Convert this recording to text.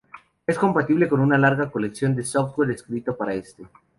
Es compatible con una larga colección de software escrito para este.